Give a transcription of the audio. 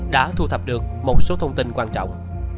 đã thu thập được một số thông tin quan trọng